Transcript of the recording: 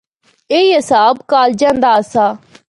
ایہی حساب کالجاں دا آسا۔